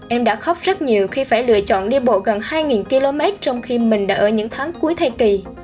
em đã khóc rất nhiều khi phải lựa chọn đi bộ gần hai km trong khi mình đã ở những tháng cuối thai kỳ